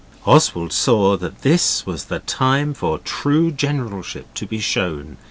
Oswald saw that this was the time for true generalship to be shown.